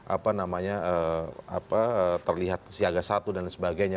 apa namanya terlihat siaga satu dan sebagainya